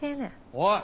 おい！